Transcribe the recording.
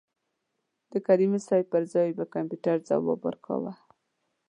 د کریمي صیب پر ځای به کمپیوټر ځواب ورکاوه.